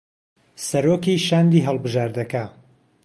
سهرۆکى شاندى ههڵبژاردهکه